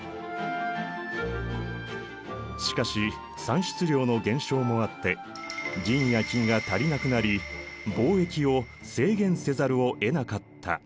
しかし産出量の減少もあって銀や金が足りなくなり貿易を制限せざるをえなかった。